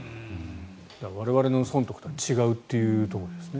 我々の損得とは違うということですね。